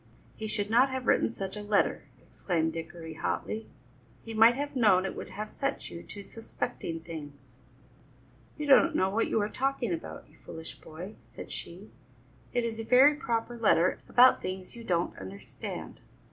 "He should not have written such a letter," exclaimed Dickory hotly; "he might have known it would have set you to suspecting things." "You don't know what you are talking about, you foolish boy," said she; "it is a very proper letter about things you don't understand."